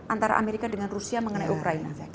antara amerika dengan rusia mengenai ukraina